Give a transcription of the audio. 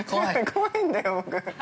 怖いんだよ、僕。